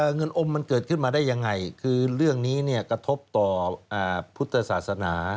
เงินอมมันเกิดขึ้นมาได้ยังไงคือเรื่องนี้เนี่ยกระทบต่อพุทธศาสนา